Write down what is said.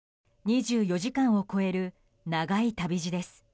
２４時間を超える長い旅路です。